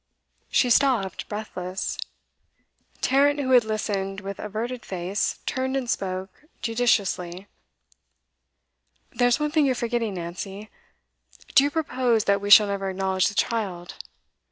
She stopped, breathless. Tarrant, who had listened with averted face, turned and spoke judicially. 'There's one thing you're forgetting, Nancy. Do you propose that we shall never acknowledge the child?